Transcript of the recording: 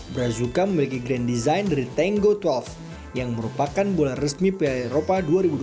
brazuka memiliki grand design dari tango dua belas yang merupakan bola resmi piala eropa dua ribu dua belas